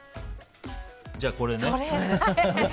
じゃあこれね。